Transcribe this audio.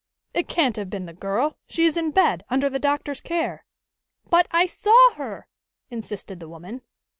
"It can't have been the girl. She is in bed, under the doctor's care." "But I saw her!" insisted the woman.